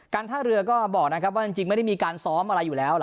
การท่ารือก็บอกว่าจริงไม่ได้มีการซ้อมอะไรอยู่แล้ว